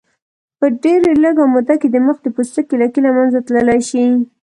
په ډېرې لږې موده کې د مخ د پوستکي لکې له منځه تللی شي.